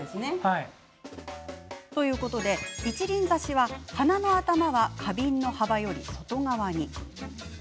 ということで、一輪挿しは花の頭は花瓶の幅より外側に。